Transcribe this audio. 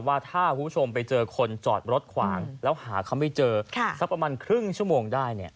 ว่าถ้าคุณผู้ชมไปเจอคนจอดรถขวางแล้วหาเขาไม่เจอสักประมาณครึ่งชั่วโมงได้เนี่ย